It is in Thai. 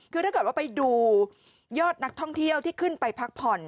คือถ้าเกิดว่าไปดูยอดนักท่องเที่ยวที่ขึ้นไปพักผ่อน